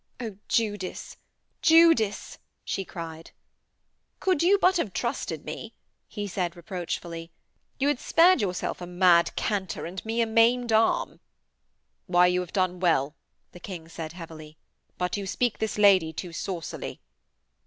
'Oh, Judas, Judas,' she cried. 'Could you but have trusted me,' he said reproachfully, 'you had spared yourself a mad canter and me a maimed arm.' 'Why, you have done well,' the King said heavily. 'But you speak this lady too saucily.'